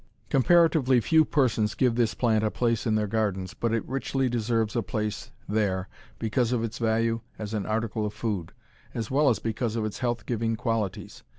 Comparatively few persons give this plant a place in their gardens, but it richly deserves a place there because of its value as an article of food, as well as because of its health giving qualities.